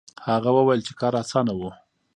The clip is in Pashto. هغه وویل چې کار اسانه و.